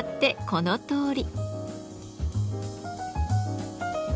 このとおり。